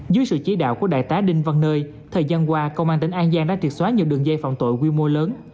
dưới sự chỉ đạo của đại tá đinh văn nơi thời gian qua công an tỉnh an giang đã triệt xóa nhiều đường dây phạm tội quy mô lớn